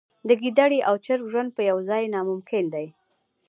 د ګیدړې او چرګ ژوند په یوه ځای ناممکن دی.